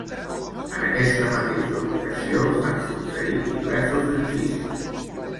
En aquesta mateixa ubicació s'han succeït diversos edificis.